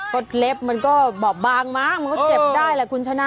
เพราะเล็บมันก็บางมากมันก็เจ็บได้แหละคุณชนะ